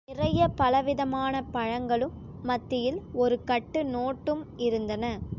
அதில் நிறைய பலவிதமான பழங்களும் மத்தியில் ஒரு கட்டு நோட்டும் இருந்தன.